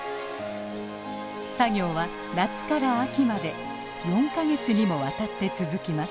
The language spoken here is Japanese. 作業は夏から秋まで４か月にもわたって続きます。